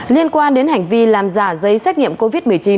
liên quan đến hành vi làm giả giấy xét nghiệm covid một mươi chín